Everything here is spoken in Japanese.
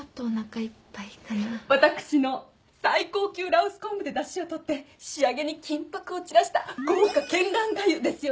私の最高級羅臼昆布でだしをとって仕上げに金箔を散らした豪華絢爛がゆですよね？